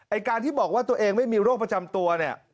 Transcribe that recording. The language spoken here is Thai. การที่บอกว่าตัวเองไม่มีโรคประจำตัวเนี่ย